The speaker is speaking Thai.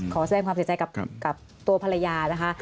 ขอแสดงความเสียใจกับตัวภรรยานะคะ